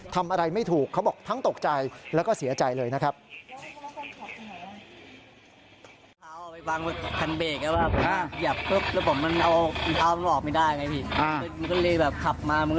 ทำอะไรไม่ถูกเขาบอกทั้งตกใจแล้วก็เสียใจเลยนะครับ